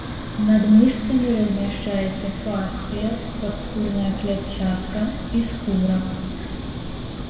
Над мышцамі размяшчаецца фасцыя, падскурная клятчатка і скура.